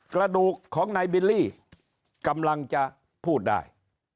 กระดูกของนายบิลลี่กำลังจะพูดได้